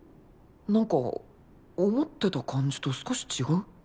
何か思ってた感じと少し違う？